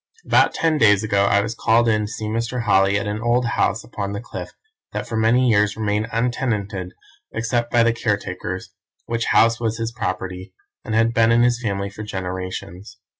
"About ten days ago I was called in to see Mr. Holly at an old house upon the Cliff that for many years remained untenanted except by the caretakers, which house was his property, and had been in his family for generations.